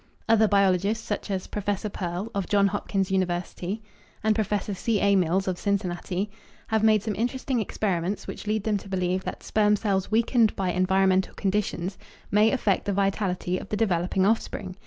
Other biologists, such as Professor Pearl, of Johns Hopkins University, and Professor C. A. Mills, of Cincinnati, have made some interesting experiments which lead them to believe that sperm cells weakened by environmental conditions may affect the vitality of the developing offspring.